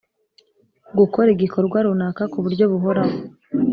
gukora igikorwa runaka ku buryo buhoraho